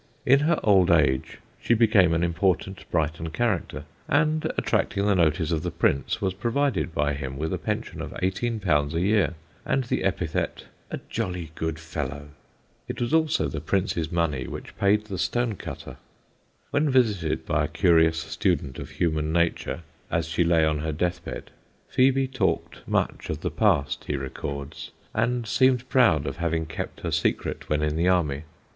In her old age she became an important Brighton character, and attracting the notice of the Prince was provided by him with a pension of eighteen pounds a year, and the epithet "a jolly good fellow." It was also the Prince's money which paid the stone cutter. When visited by a curious student of human nature as she lay on her death bed, Phebe talked much of the past, he records, and seemed proud of having kept her secret when in the army.